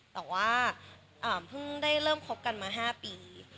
แต่ว่าเพิ่งได้เริ่มคบกันมา๕ปี